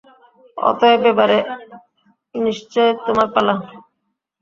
অতএব এবারে নিশ্চয় তোমার পালা।